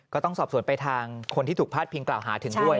ก็ต้องสอบสวนไปทางคนที่ถูกพาดพิงกล่าวหาถึงด้วย